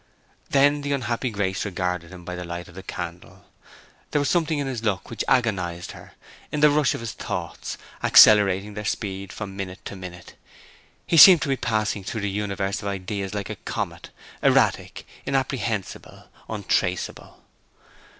Then the unhappy Grace regarded him by the light of the candle. There was something in his look which agonized her, in the rush of his thoughts, accelerating their speed from minute to minute. He seemed to be passing through the universe of ideas like a comet—erratic, inapprehensible, untraceable.